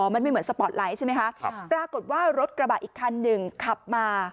มันไม่เหมือนสปอร์ตไลท์ใช่ไหมคะปรากฏว่ารถกระบะอีกคันหนึ่งขับมา